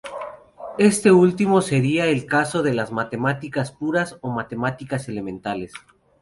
Este último sería el caso de las matemáticas puras o matemáticas elementales.